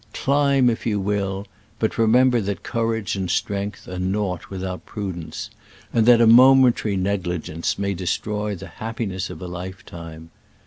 Climb if you will, but remember that courage and strength are naught with out prudence, and that a momentary negligence may destroy the happiness of a hfetime.